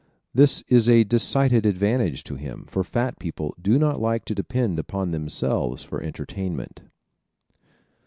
This is a decided advantage to him, for fat people do not like to depend upon themselves for entertainment.